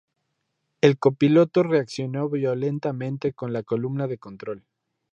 El copiloto reaccionó violentamente con la columna de control.